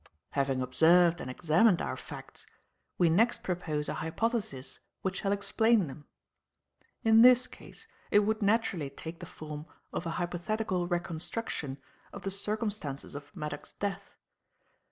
"Having observed and examined our facts, we next propose a hypothesis which shall explain them. In this case it would naturally take the form of a hypothetical reconstruction of the circumstances of Maddock's death.